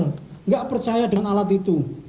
tidak percaya dengan alat itu